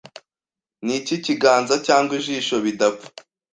Niki kiganza cyangwa ijisho bidapfa